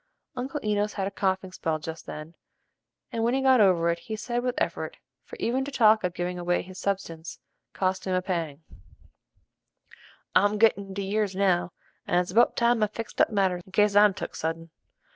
Uncle Enos had a coughing spell just then; and, when he got over it, he said with an effort, for even to talk of giving away his substance cost him a pang: "I'm gettin' into years now, and it's about time I fixed up matters in case I'm took suddin'.